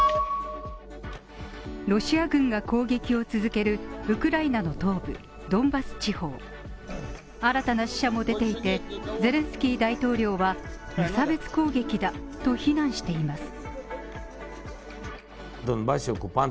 ロシア軍が攻撃を続けるウクライナの東部ドンバス地方新たな死者も出ていて、ゼレンスキー大統領は無差別攻撃だと非難しています。